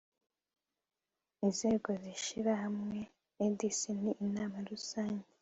inzego z ishyirahamwe idec ni inama rusange